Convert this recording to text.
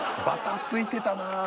バタついてたな。